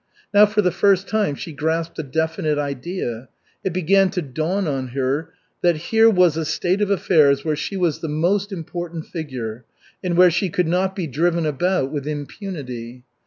Now, for the first time, she grasped a definite idea. It began to dawn on her that here was a state of affairs where she was the most important figure, and where she could not be driven about with impunity.